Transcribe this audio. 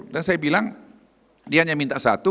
dan saya bilang dia hanya minta satu